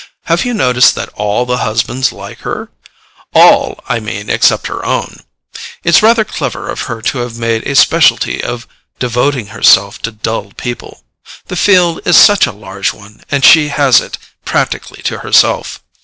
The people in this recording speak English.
Have you noticed that ALL the husbands like her? All, I mean, except her own. It's rather clever of her to have made a specialty of devoting herself to dull people—the field is such a large one, and she has it practically to herself.